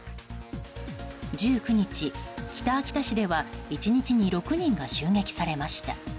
１９日、北秋田市では１日に６人が襲撃されました。